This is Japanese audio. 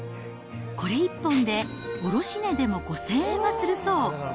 これ１本で卸値でも５０００円はするそう。